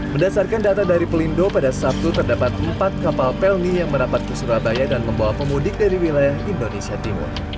berdasarkan data dari pelindo pada sabtu terdapat empat kapal pelni yang merapat ke surabaya dan membawa pemudik dari wilayah indonesia timur